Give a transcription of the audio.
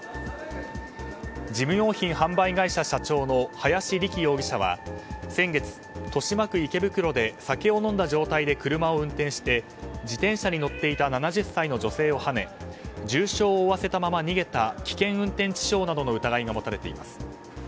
事務用品販売会社社長の林利樹容疑者は先月、豊島区池袋で酒を飲んだ状態で車を運転して自転車に乗っていた７０歳の女性をはね重傷を負わせたまま逃げた危険運転致傷などの疑いが持たれています。